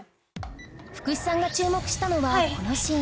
福士さんが注目したのはこのシーン